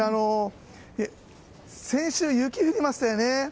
先週、雪が降りましたよね。